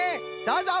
どうぞ。